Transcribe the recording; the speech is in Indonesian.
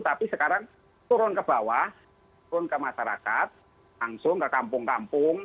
tapi sekarang turun ke bawah turun ke masyarakat langsung ke kampung kampung